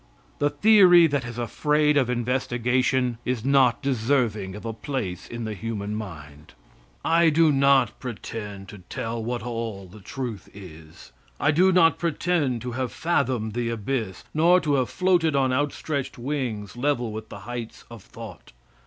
The theory that is afraid of investigation is not deserving of a place in the human mind. I do not pretend to tell what all the truth is. I do not pretend to have fathomed the abyss, nor to have floated on outstretched wings level with the heights of thought.